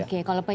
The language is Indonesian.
satu tempat oke